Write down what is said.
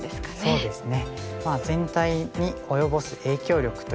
そうですね。